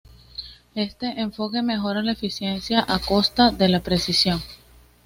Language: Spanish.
Este enfoque mejora la eficiencia a costa de la precisión.